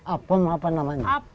apem apa namanya